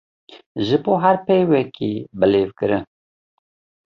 Ji bo her peyvekê bilêvkirin.